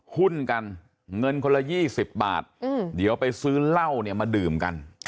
หุ้นกันเงินคนละ๒๐บาทเดี๋ยวไปซื้อเหล้าเนี่ยมาดื่มกัน